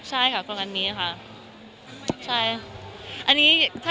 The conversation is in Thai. ใช่ค่ะคลุมการนี้ค่ะ